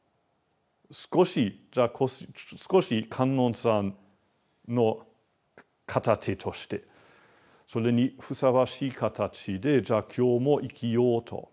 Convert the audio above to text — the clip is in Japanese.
少しじゃあ少し観音さんの片手としてそれにふさわしい形でじゃあ今日も生きようと。